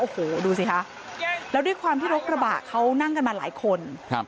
โอ้โหดูสิคะแล้วด้วยความที่รถกระบะเขานั่งกันมาหลายคนครับ